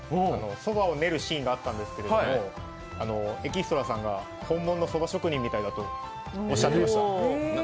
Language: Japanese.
そばを練るシーンがあってエキストラさんが本物のそば職人みたいだとおっしゃってました。